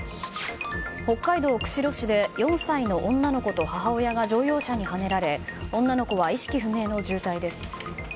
北海道釧路市で４歳の女の子と母親が乗用車にはねられ女の子は意識不明の重体です。